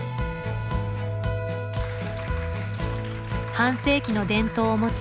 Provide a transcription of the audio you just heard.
半世紀の伝統を持つ